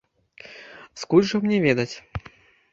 Скуль жа мне ведаць?